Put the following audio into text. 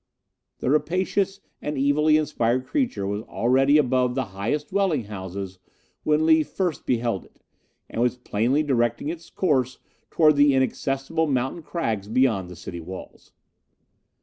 The rapacious and evilly inspired creature was already above the highest dwelling houses when Lee first beheld it, and was plainly directing its course towards the inaccessible mountain crags beyond the city walls.